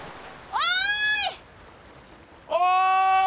おい！